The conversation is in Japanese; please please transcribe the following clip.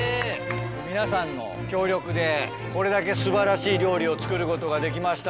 皆さんの協力でこれだけ素晴らしい料理を作ることができました。